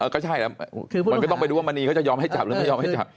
ก็ใช่แล้วมันก็ต้องไปดูว่ามณีเขาจะยอมให้จับหรือไม่ยอมให้จับ